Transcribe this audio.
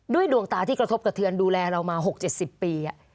ดวงตาที่กระทบกระเทือนดูแลเรามา๖๗๐ปี